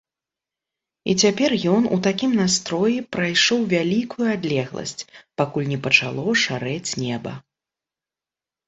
І цяпер ён у такім настроі прайшоў вялікую адлегласць, пакуль не пачало шарэць неба.